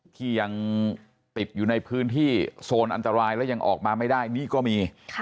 ที่ยังติดอยู่ในพื้นที่โซนอันตรายแล้วยังออกมาไม่ได้นี่ก็มี